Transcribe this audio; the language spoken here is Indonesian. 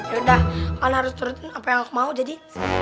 yaudah allah harus turutin apa yang aku mau jadi